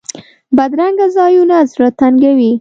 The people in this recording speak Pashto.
بدرنګه ځایونه زړه تنګوي